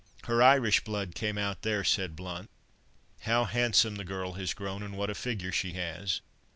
"Her Irish blood came out there," said Blount; "how handsome the girl has grown, and what a figure she has!